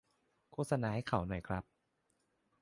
โฆษณาให้เขาหน่อยครับ